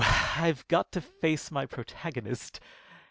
I've got to face my protagonist.